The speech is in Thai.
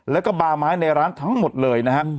แล้วก็บาลมาให้ในร้านทั้งหมดเลยนะครับ